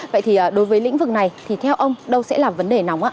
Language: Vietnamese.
vậy thì đối với lĩnh vực này thì theo ông đâu sẽ là vấn đề nóng ạ